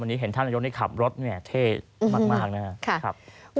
วันนี้เห็นท่านนายกนี่ขับรถเท่มากนะครับ